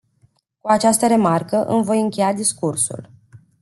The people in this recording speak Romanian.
Cu această remarcă îmi voi încheia discursul.